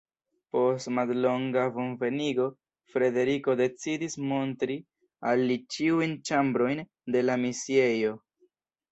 Post mallonga bonvenigo Frederiko decidis montri al li ĉiujn ĉambrojn de la misiejo.